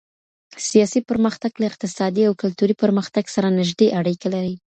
سياسي پرمختګ له اقتصادي او کلتوري پرمختګ سره نږدې اړيکي لري.